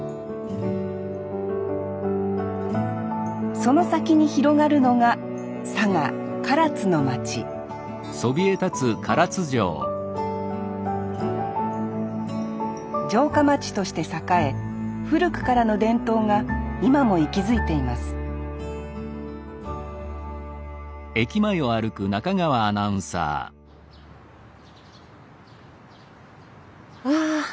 その先に広がるのが佐賀・唐津の町城下町として栄え古くからの伝統が今も息づいていますああ。